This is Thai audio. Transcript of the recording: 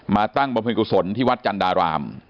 ตั้งบำเพ็ญกุศลที่วัดจันดาราม